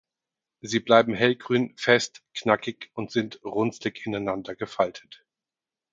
Sie bleiben hellgrün, fest, knackig und sind runzlig ineinander gefaltet.